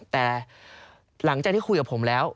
แต่หลังจากที่คุยกับผมแล้ว